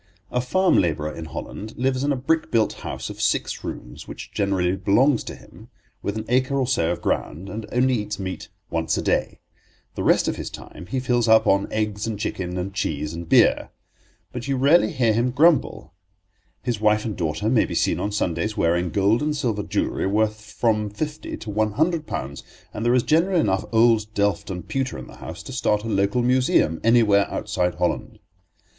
A farm labourer in Holland lives in a brick built house of six rooms, which generally belongs to him, with an acre or so of ground, and only eats meat once a day. The rest of his time he fills up on eggs and chicken and cheese and beer. But you rarely hear him grumble. His wife and daughter may be seen on Sundays wearing gold and silver jewellery worth from fifty to one hundred pounds, and there is generally enough old delft and pewter in the house to start a local museum anywhere outside Holland.